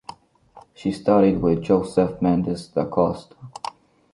She studied with Joseph Mendes da Costa.